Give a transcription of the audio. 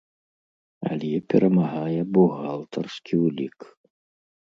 Але перамагае бухгалтарскі ўлік.